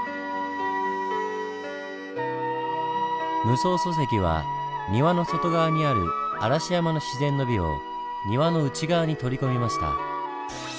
夢窓疎石は庭の外側にある嵐山の自然の美を庭の内側に取り込みました。